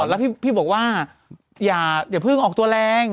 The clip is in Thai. แล้วพี่บอกว่าอย่าเพิ่งออกตัวแรง